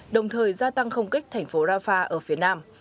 đồng thời gia tăng không kích thành phố rafah ở phía nam